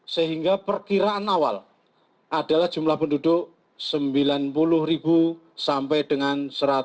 sehingga perkiraan awal adalah jumlah penduduk sembilan puluh sampai dengan seratus